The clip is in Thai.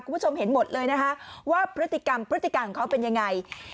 คุณผู้ชมเห็นหมดเลยนะคะว่าพฤติกรรมพฤติการของเขาเป็นยังไง